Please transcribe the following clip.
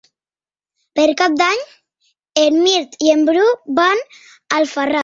Per Cap d'Any en Mirt i en Bru van a Alfarràs.